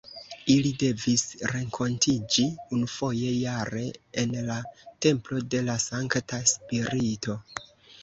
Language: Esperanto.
Ili devis renkontiĝi unufoje jare en la "Templo de la Sankta Spirito".